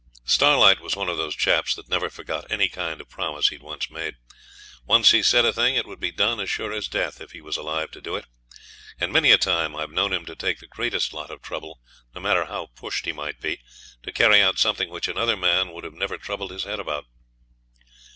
Starlight was one of those chaps that never forgot any kind of promise he'd once made. Once he said a thing it would be done as sure as death if he was alive to do it; and many a time I've known him take the greatest lot of trouble no matter how pushed he might be, to carry out something which another man would have never troubled his head about.